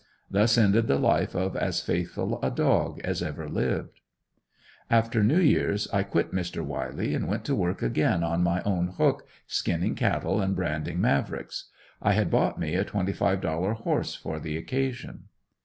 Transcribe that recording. Thus ended the life of as faithful a dog as ever lived. After New Year's I quit Mr. Wiley and went to work again on my own hook, skinning cattle and branding Mavricks. I had bought me a twenty five dollar horse for the occasion.